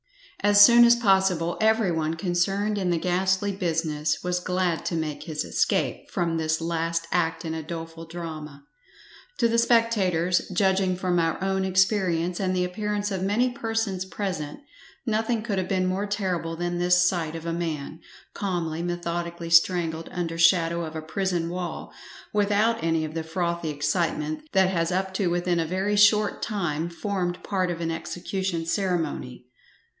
As soon as possible every one concerned in the ghastly business was glad to make his escape from this last act in a doleful drama. To the spectators, judging from our own experience, and the appearance of many persons present, nothing could have been more terrible than this sight of a man, calmly, methodically strangled under shadow of a prison wall, without any of the frothy excitement that has up to within a very short time formed part of an execution ceremony.